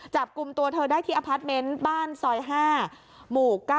จับกลุ่มตัวเธอได้ที่อพาร์ทเมนต์บ้านซอย๕หมู่๙